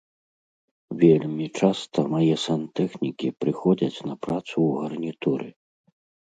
Вельмі часта мае сантэхнікі прыходзяць на працу ў гарнітуры.